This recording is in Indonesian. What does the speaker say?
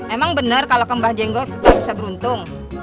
emang bener kalo ke mbah jenggot kita bisa beruntung